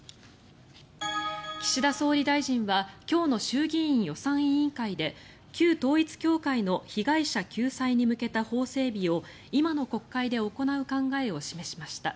岸田総理大臣は今日の衆議院予算委員会で旧統一教会の被害者救済に向けた法整備を今の国会で行う考えを示しました。